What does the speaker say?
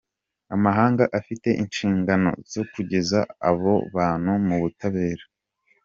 Amahanga afite inshingano zo kugeza abo bantu mu butabera.